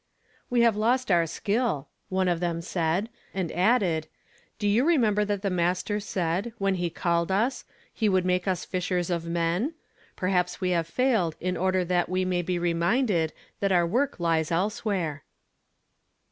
"We have lost our skill," one of them said, and added, "Do you remember that the Master said, when he called us, he would make us fishers of men? Peihaps we have failed in order that we may be reminded that our work lies else where."